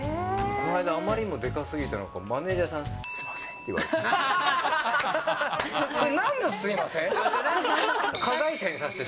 この間、あまりにもでかすぎたのか、マネージャーさん、すみませんって言われて。